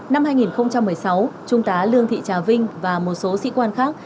năm hai nghìn một mươi sáu trung tá lương thị trà vinh và một số sĩ quan khác